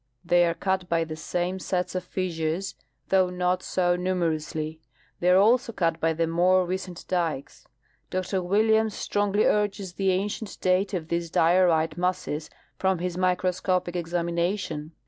They are cut by the same sets of fissures, though not so numerously ; they are also cut l)y the more recent dikes. Dr Williams strongly urges the ancient date of these diorite masses from his microscopic examination.